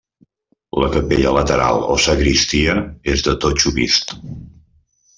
La capella lateral o sagristia és de totxo vist.